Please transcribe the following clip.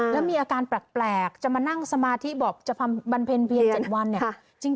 แล้วมีอาการแปลกจะมานั่งสมาธิบอกจะบำเพ็ญเวียร๗วันเนี่ย